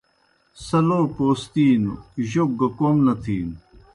سہ لو پوستِینوْ جوک گہ کوْم نہ تِھینوْ۔